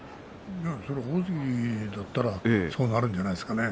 大関だったらそうなるんじゃないですかね。